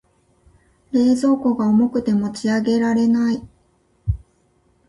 冷蔵庫が重くて持ち上げられない。